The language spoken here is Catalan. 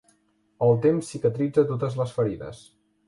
El temps cicatritza totes les ferides.